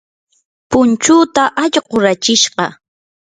punchuuta allqu rachishqa.